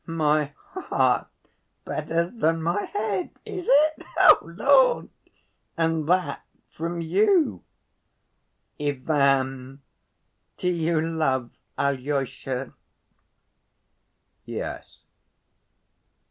"My heart better than my head, is it? Oh, Lord! And that from you. Ivan, do you love Alyosha?" "Yes."